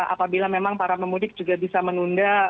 apabila memang para pemudik juga bisa menunda